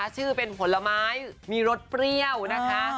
ชื่อเป็นผลไม้มีรสเปรี้ยวนะคะ